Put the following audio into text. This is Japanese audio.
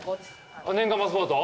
年間パスポート？